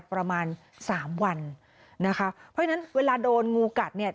ประมาณสามวันนะคะเพราะฉะนั้นเวลาโดนงูกัดเนี่ย